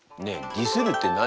「ディスる」って何？